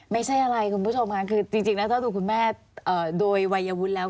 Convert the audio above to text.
ไม่ใช่อะไรคุณผู้ชมค่ะคือจริงแล้วถ้าดูคุณแม่โดยวัยวุฒิแล้ว